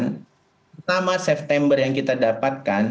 pertama september yang kita dapatkan